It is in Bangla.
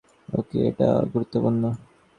ওকে, এটা গুরুত্বপূর্ণ।